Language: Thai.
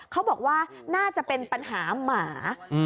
เขาบอกว่าน่าจะเป็นปัญหาหมา